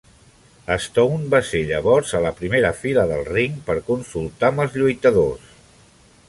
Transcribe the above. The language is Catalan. Stone va ser llavors a la primera fila del ring per consultar amb els lluitadors.